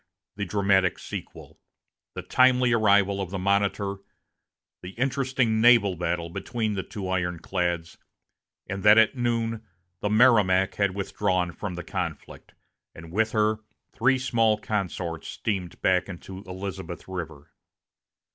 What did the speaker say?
the dramatic sequel the timely arrival of the Monitor, the interesting naval battle between the two ironclads, and that at noon the Merrimac had withdrawn from the conflict, and with her three small consorts steamed back into Elizabeth River.